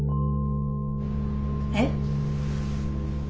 えっ？